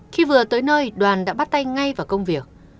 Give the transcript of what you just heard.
khi vừa tới nơi đoàn đã bắt tay ngay vào công việc